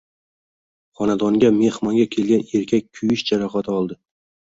Xonadonga mehmonga kelgan erkak kuyish jarohati oldi